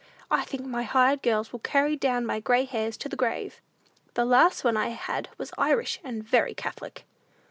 I think my hired girls will carry down my gray hairs to the grave! The last one I had was Irish, and very Catholic."